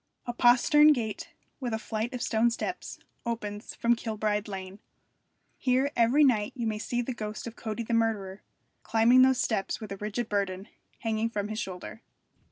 A postern gate, with a flight of stone steps, opens from Kilbride Lane. Here every night you may see the ghost of Cody the murderer, climbing those steps with a rigid burden hanging from his shoulder.